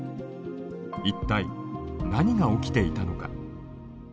一体何が起きていたのか。